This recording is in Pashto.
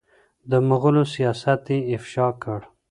د مغولو سیاست یې افشا کړ